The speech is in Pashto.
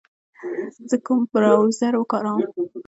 زه کوم براوزر و کاروم